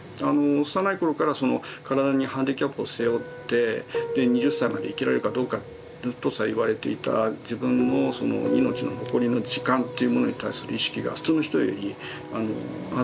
幼い頃からその体にハンディキャップを背負って２０歳まで生きられるかどうかとさえ言われていた自分のその命の残りの時間というものに対する意識が普通の人よりあったでしょうし。